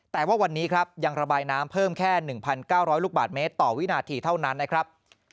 แต่ว่าวันนี้ครับยังระบายน้ำเพิ่มแค่๑๙๐๐ลูกบาทเมตรต่อวินาทีเท่านั้นนะครับ